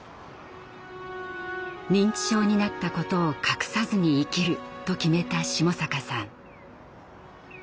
認知症になったことを隠さずに生きると決めた下坂さん。